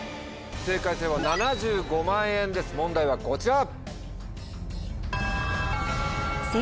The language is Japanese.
正解すれば７５万円です問題はこちら。